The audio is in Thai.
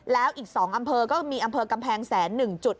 แล้วอีก๒อำเภอก็มีอำเภอกำแพงแสน๑จุด